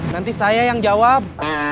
nanti saya yang jawab